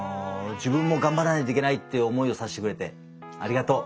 自分も頑張らないといけないって思いをさせてくれてありがとう。